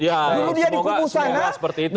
ya semoga semua seperti itu